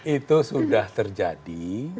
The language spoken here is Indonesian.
itu sudah terjadi